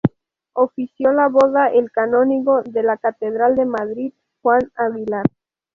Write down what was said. Ofició la boda el canónigo de la catedral de Madrid, Juan Aguilar.